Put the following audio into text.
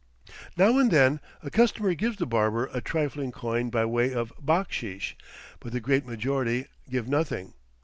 Now and then a customer gives the barber a trifling coin by way of backsheesh, but the great majority give nothing.